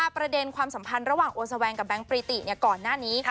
ประเด็นความสัมพันธ์ระหว่างโอแสวงกับแบงค์ปรีติก่อนหน้านี้